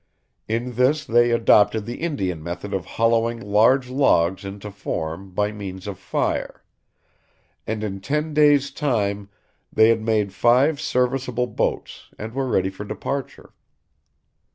In this they adopted the Indian method of hollowing large logs into form by means of fire; and in ten days' time they had made five serviceable boats, and were ready for departure.